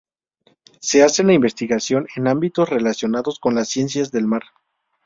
Se hace la investigación en ámbitos relacionados con las ciencias del mar.